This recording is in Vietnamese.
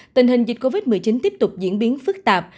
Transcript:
tình hình dịch covid một mươi chín tiếp tục diễn biến phức tạp